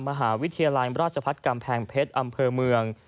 มหาวิทยาลัยราชพัฒน์กำแพงเพชรอำเภอเมือง